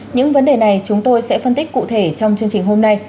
những vấn đề này chúng tôi sẽ phân tích cụ thể trong chương trình hôm nay